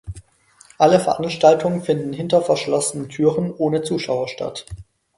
Alle Veranstaltungen finden hinter verschlossenen Türen ohne Zuschauer statt.